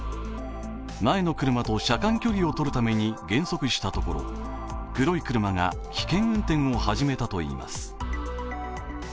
前の車と車間距離をとるために減速したところ黒い車が危険運転を始めたといいます。